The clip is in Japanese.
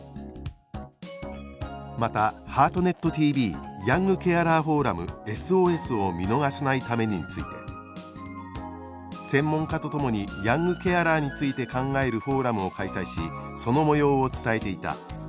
またハートネットＴＶ「ヤングケアラーフォーラムＳＯＳを見逃さないために」について「専門家と共にヤングケアラーについて考えるフォーラムを開催しその模様を伝えていた。